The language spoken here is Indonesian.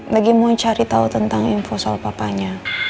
lagi mau cari tahu tentang info soal papanya